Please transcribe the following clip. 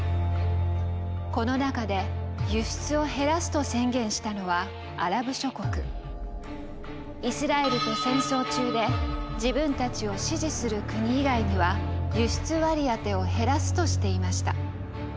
この中で輸出を減らすと宣言したのはイスラエルと戦争中で自分たちを支持する国以外には輸出割り当てを減らすとしていました。